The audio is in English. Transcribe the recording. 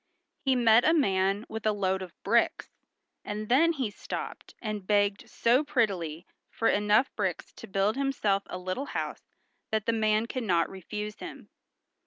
He met a man with a load of bricks, and then he stopped and begged so prettily for enough bricks to build himself a little house that the man could not refuse him.